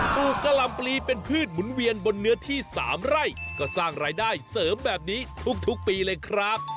ลูกกะลำปลีเป็นพืชหมุนเวียนบนเนื้อที่๓ไร่ก็สร้างรายได้เสริมแบบนี้ทุกปีเลยครับ